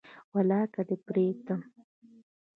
ولاکه دي پریږدم